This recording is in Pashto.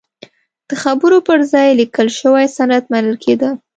د خبرو پر ځای لیکل شوی سند منل کېده.